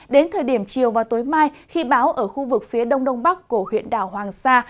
đến thời điểm chiều và tối mai khi báo ở khu vực phía đông đông bắc của huyện đảo hoàng sa